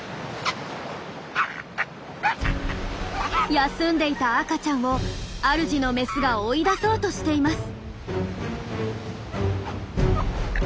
休んでいた赤ちゃんを主のメスが追い出そうとしています。